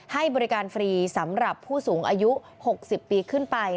ให้บริการฟรีสำหรับผู้สูงอายุ๖๐ปีขึ้นไป